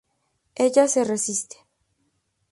Ella se resiste.